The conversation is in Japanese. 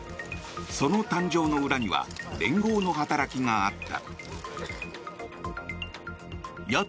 その誕生の裏には連合の働きがあった。